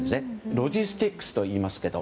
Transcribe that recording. ロジスティックスといいますけど。